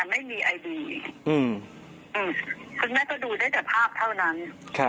อ้าวคุณแม่ไม่รู้จักอเทรยะ